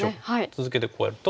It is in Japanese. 続けてこうやると。